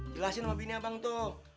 jelasin sama bini abang tuh